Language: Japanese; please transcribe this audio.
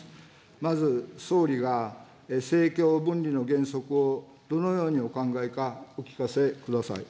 まず、総理が政教分離の原則をどのようにお考えか、お聞かせください。